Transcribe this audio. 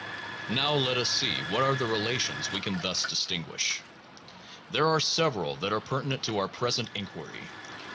Now let us see what are the relations we can thus distinguish. There are several that are pertinent to our present inquiry.